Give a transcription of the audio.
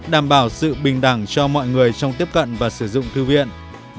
đảm bảo sự bình đẳng cho mọi người trong tiếp cận và sử dụng thư viện